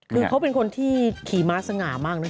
คือเขาเป็นคนที่ขี่ม้าสง่ามากนะ